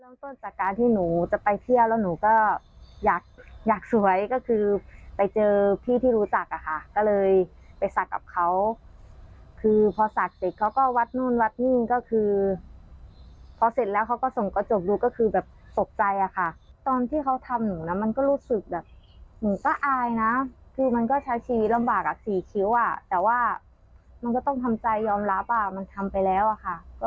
มันก็ต้องทำใจยอมรับว่ามันทำไปแล้วค่ะ